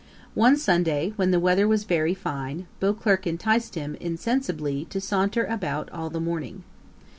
One Sunday, when the weather was very fine, Beauclerk enticed him, insensibly, to saunter about all the morning.